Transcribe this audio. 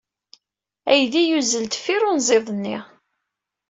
Aydi yuzzel deffir unẓid-nni.